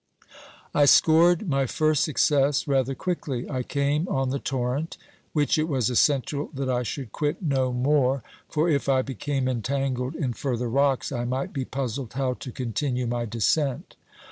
I scored my first success rather quickly. I came on the torrent, which it was essential that I should quit no more, for if I became entangled in further rocks I might be puzzled how to continue my descent.